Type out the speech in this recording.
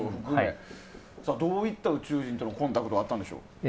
どういった宇宙人とのコンタクトがあったんでしょう。